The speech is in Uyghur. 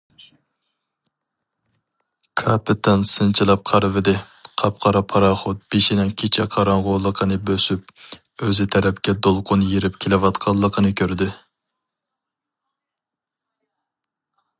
كاپىتان سىنچىلاپ قارىۋىدى، قاپقارا پاراخوت بېشىنىڭ كېچە قاراڭغۇلۇقىنى بۆسۈپ، ئۆزى تەرەپكە دولقۇن يېرىپ كېلىۋاتقانلىقىنى كۆردى.